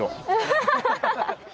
ハハハハ！